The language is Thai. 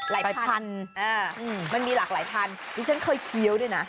พันมันมีหลากหลายพันดิฉันเคยเคี้ยวด้วยนะ